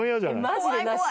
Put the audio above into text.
マジでなし。